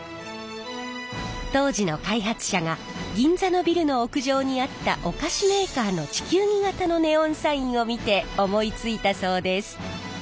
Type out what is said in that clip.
当時の開発者が銀座のビルの屋上にあったお菓子メーカーの地球儀型のネオンサインを見て思いついたそうです。